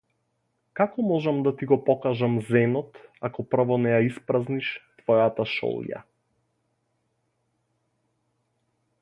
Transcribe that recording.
Како можам да ти го покажам зенот ако прво не ја испразниш твојата шолја?